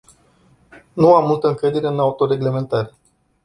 Nu am multă încredere în autoreglementare.